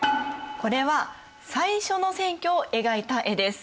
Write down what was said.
これは最初の選挙を描いた絵です。